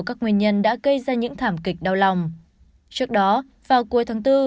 các nguyên nhân đã gây ra những thảm kịch đau lòng trước đó vào cuối tháng bốn